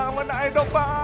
mama naik dopa